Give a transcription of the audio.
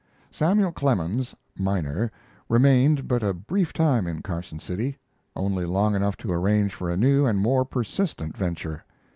Samuel Clemens, miner, remained but a brief time in Carson City only long enough to arrange for a new and more persistent venture.